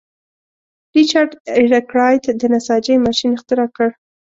ریچارډ ارکرایټ د نساجۍ ماشین اختراع کړ.